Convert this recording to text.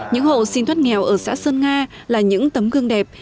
những hộ xin thoát nghèo ở xã sơn nga là những tấm gương đẹp